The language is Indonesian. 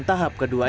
di tahap kedua ini